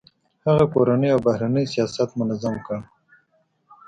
هغه کورنی او بهرنی سیاست منظم کړ.